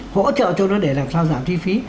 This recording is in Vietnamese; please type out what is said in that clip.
hỗ trợ cho nó để làm sao giảm chi phí